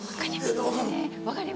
分かる？